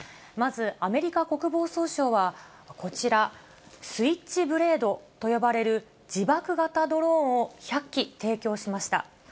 まず、アメリカ国防総省は、こちら、スイッチブレードと呼ばれる自爆型ドローンを１００機提供しました。